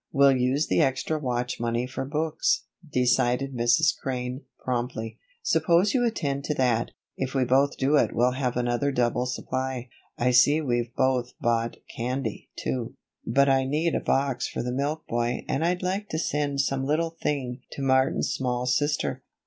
"We'll use the extra watch money for books," decided Mrs. Crane, promptly. "Suppose you attend to that if we both do it we'll have another double supply. I see we've both bought candy, too; but I need a box for the milk boy and I'd like to send some little thing to Martin's small sister."